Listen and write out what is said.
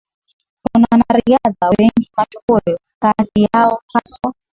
kuna wanariadha wengi mashuhuri kati yao haswa